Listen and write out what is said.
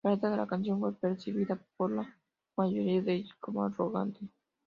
La letra de la canción fue percibida por la mayoría de ellos como arrogante.